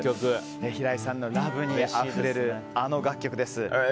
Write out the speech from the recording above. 平井さんのＬＯＶＥがあふれるあの楽曲です。